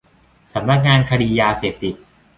สำนักงานคดียาเสพติด